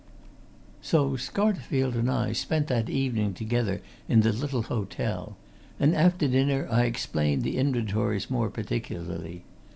So Scarterfield and I spent that evening together in the little hotel, and after dinner I explained the inventories more particularly.